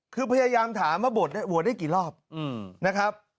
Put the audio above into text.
คือพยายามถามว่าโหวตได้กี่รอบนะครับ